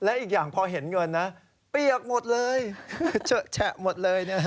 และอีกอย่างพอเห็นเงินนะเปียกหมดเลยเฉอะแฉะหมดเลย